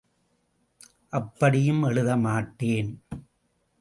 அப்படியும் எழுத மாட்டேன்.